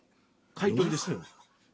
買い取りですよ。